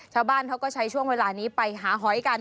ชาวบ้านเขาก็ใช้ช่วงเวลานี้ไปหาหอยกัน